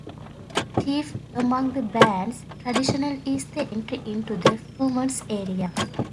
Chief among the band's traditional is the entry into the performance area.